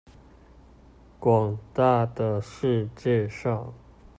廣大的世界上